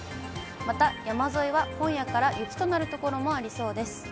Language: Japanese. また山沿いは今夜から雪となる所もありそうです。